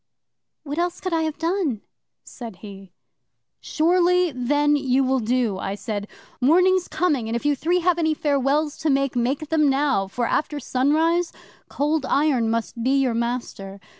'"What else could I have done?" said he. '"Surely, then, you will do," I said. "Morning's coming, and if you three have any farewells to make, make them now, for, after sunrise, Cold Iron must be your master."